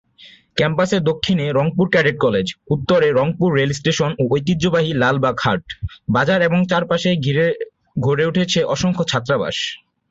ক্যাম্পাসের দক্ষিণে Rangpur cadet college, উত্তরে রংপুর রেল স্টেশন ও ঐতিহ্যবাহী লালবাগ হাট-বাজার এবং চারপাশ ঘিরে গড়ে উঠেছে অসংখ্য ছাত্রাবাস।